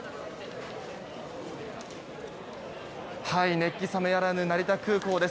熱気冷めやらぬ成田空港です。